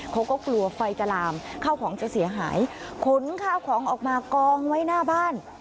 เขาก็กลัวไฟกระลามข้าวผลจะเสียหายขนข้าวของออกมากองว่า